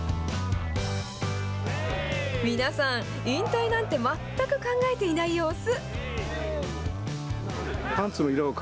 皆さん、引退なんて全く考えていない様子。